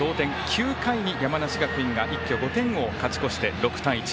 ９回に山梨学院が、一挙５点を勝ち越して、６対１。